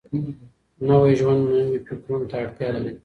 نوی ژوند نويو فکرونو ته اړتيا لري.